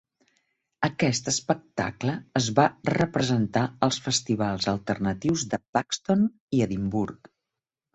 Aquest espectacle es va representar als festivals alternatius de Buxton i Edimburg.